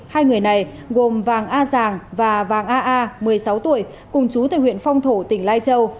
hai người này gồm vàng a giàng và vàng a a một mươi sáu tuổi cùng chú tại huyện phong thổ tỉnh lai châu